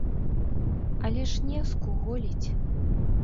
Але ж не, скуголіць.